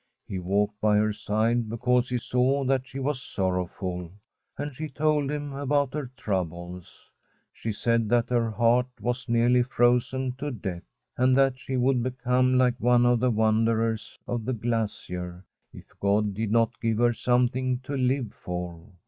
He walked by her side because he saw that she was sorrowful, and she told him about her troubles. She said that her heart was nearly frozen to death, and that she would be come like one of the wanderers on the glacier if God did not give her something to live for.